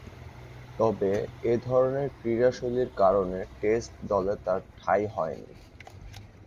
তবে, এ ধরনের ক্রীড়াশৈলীর কারণে টেস্ট দলে তার ঠাঁই হয়নি।